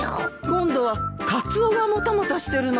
今度はカツオがもたもたしてるのかい。